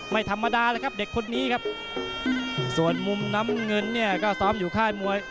ไม่ธรรมดาเลยครับเด็กคนนี้ครับส่วนมุมน้ำเงินเนี่ยก็ซ้อมอยู่ค่ายมวย